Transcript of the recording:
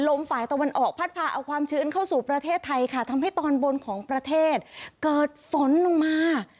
ลมฝ่ายตะวันออกพัดพาเอาความชื้นเข้าสู่ประเทศไทยค่ะทำให้ตอนบนของประเทศเกิดฝนลงมา